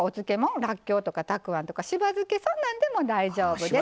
らっきょうとかたくあんとかしば漬けさん何でも大丈夫です。